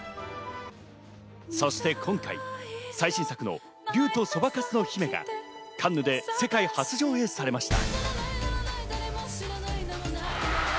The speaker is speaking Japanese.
そして今回、最新作の『竜とそばかすの姫』がカンヌで世界初上映されました。